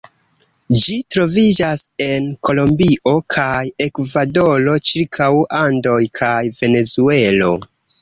Ĝi troviĝas en Kolombio kaj Ekvadoro ĉirkaŭ Andoj kaj Venezuelo.